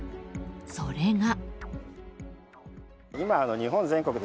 それが。